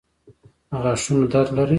د غاښونو درد لرئ؟